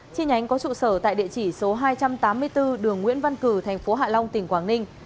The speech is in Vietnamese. chi nhánh có trụ sở tại địa chỉ số hai trăm tám mươi bốn đường nguyễn văn cử thành phố hạ long tỉnh quảng ninh